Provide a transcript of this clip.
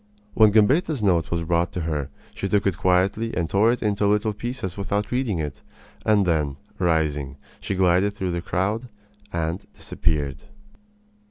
When Gambetta's note was brought to her she took it quietly and tore it into little pieces without reading it; and then, rising, she glided through the crowd and disappeared.